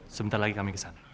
sebentar lagi kami kesana